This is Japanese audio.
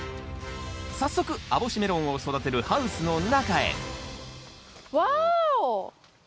早速網干メロンを育てるハウスの中へわお！